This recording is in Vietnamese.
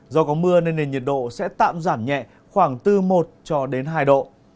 do có mưa nên nền nhiệt độ sẽ tạm giảm nhẹ khoảng từ một cho đến hai độ